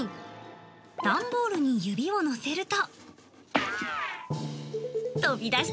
段ボールに指を乗せると。